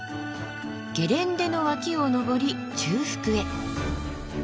ゲレンデの脇を登り中腹へ。